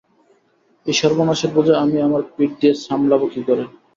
এই সর্বনাশের বোঝা আমি আমার পিঠ দিয়ে সামলাব কী করে?